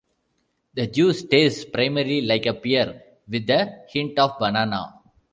The juice tastes primarily like a pear, with a hint of banana.